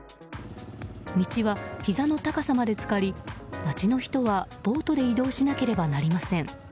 道はひざの高さまで浸かり町の人は、ボートで移動しなければなりません。